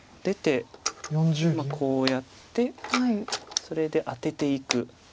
出てこうやってそれでアテていく。